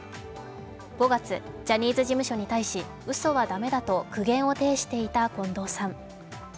５月、ジャニーズ事務所に対し、うそは駄目だと苦言を呈していた近藤さん。